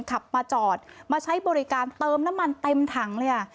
ขับมาจอดมาใช้บริการเติมน้ำมันเต็มถังเลยอ่ะ